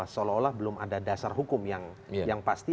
seolah olah belum ada dasar hukum yang pasti